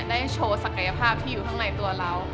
ได้โชว์ศักยภาพที่อยู่ข้างในตัวเรา